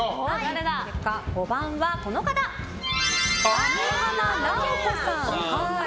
５番は、網浜直子さん。